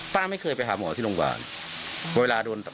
ป้าไม่เคยไปหาหมอเธอที่โรงพยาบาล